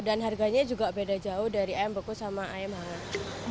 dan harganya juga beda jauh dari ayam beku sama ayam hangat